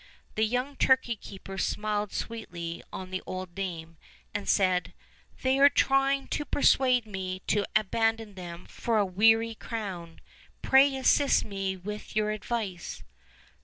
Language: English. The young turkey keeper smiled sweetly on the old dame, and said: "They are trying to persuade me to abandon them for a weary crown ; pray assist me with your advice."